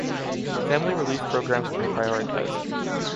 Family relief programs will be prioritized.